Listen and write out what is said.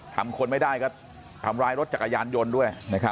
ทำคนไม่ได้ก็ทำร้ายรถจักรยานยนต์ด้วย